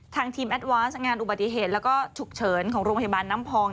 ทางทีมแอดวาสงานอุบัติเหตุแล้วก็ฉุกเฉินของโรงพยาบาลน้ำพอง